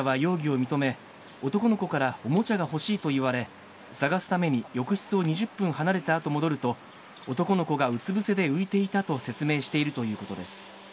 柏本容疑者は容疑を認め、男の子からおもちゃが欲しいと言われ、探すために浴室を２０分離れたあと戻ると、男の子がうつ伏せで浮いていたと説明しているということです。